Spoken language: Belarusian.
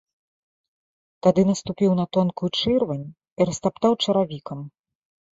Тады наступіў на тонкую чырвань і растаптаў чаравікам.